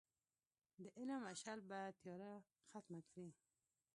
د علم مشعل به تیاره ختمه کړي.